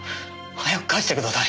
早く返してください。